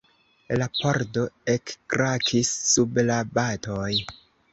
La pordo ekkrakis sub la batoj.